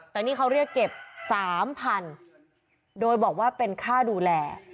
แต่นี่เขาเรียกเก็บ๓๐๐๐โดยบอกว่าเป็นค่าดูแล